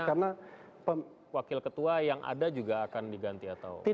karena wakil ketua yang ada juga akan diganti atau